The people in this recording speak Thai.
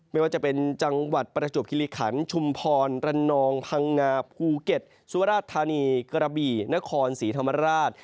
ไม่ว่าจะเป็นจังหวัดประจวบคิริขันชุมพรระนองพังงาภูเก็ตสุราชธานีกระบี่นครศรีธรรมราช